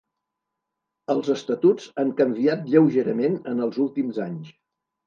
Els estatuts han canviat lleugerament en els últims anys.